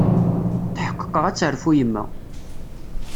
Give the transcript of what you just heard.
Tḥeqqeɣ ad terfu yemma.